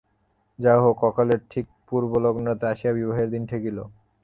যা হউক, অকালের ঠিক পূর্বলগ্নটাতে আসিয়া বিবাহের দিন ঠেকিল।